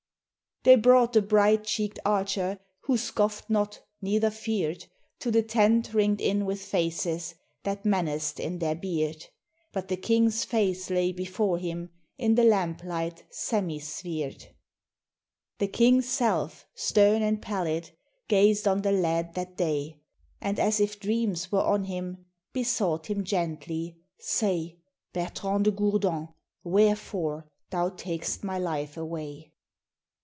They brought the bright cheeked archer Who scoffed not, neither feared, To the tent ringed in with faces That menaced in their beard; But the king's face lay before him In the lamplight semisphered. The king's self, stern and pallid Gazed on the lad that day, And as if dreams were on him Besought him gently: 'Say, Bertrand de Gourdon! wherefore Thou tak'st my life away?